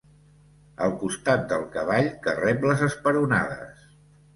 El costat del cavall, que rep les esperonades.